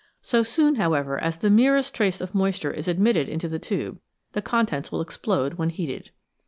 So soon, however, as the merest trace of moisture is admitted into the tube, the contents will explode when heated.